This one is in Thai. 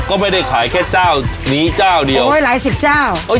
ก็ไม่ได้ขายแค่เจ้านี้เจ้าเดียวโอ้ยหลายสิบเจ้าโอ้ย